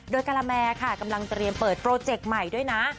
โดยการาแมค่ะกำลังเตรียมเปิดโปรเจกต์ใหม่ด้วยนะ